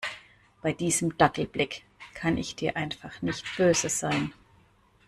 Bei diesem Dackelblick kann ich dir einfach nicht böse sein.